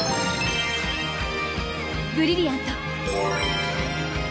ブリリアント！